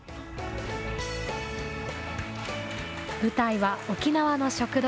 舞台は沖縄の食堂。